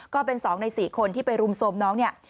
ก็เป็น๒ใน๔คนที่ไปรุมโทรมน้องเนี่ย